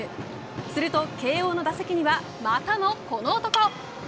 すると慶応の打席にはまたもこの男。